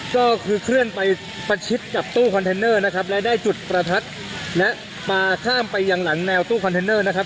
ก็คือเคลื่อนไปประชิดกับตู้คอนเทนเนอร์นะครับและได้จุดประทัดและปลาข้ามไปยังหลังแนวตู้คอนเทนเนอร์นะครับ